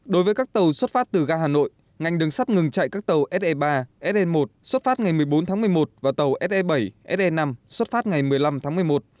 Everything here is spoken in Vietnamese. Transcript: đối với các tàu xuất phát từ ga hà nội ngành đường sắt ngừng chạy các tàu se ba se một xuất phát ngày một mươi bốn tháng một mươi một và tàu se bảy se năm xuất phát ngày một mươi năm tháng một mươi một